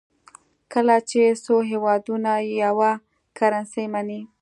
کله چې څو هېوادونه یوه کرنسي مني.